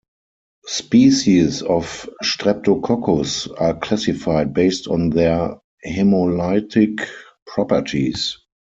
Species of "Streptococcus" are classified based on their hemolytic properties.